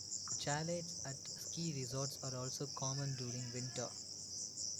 Chalets at ski resorts are also common during winter.